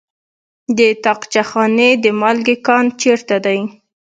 د طاقچه خانې د مالګې کان چیرته دی؟